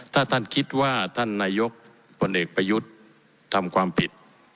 ถ้าท่านคิดว่าท่านนายกผลเอกประยุทธ์ทำความผิด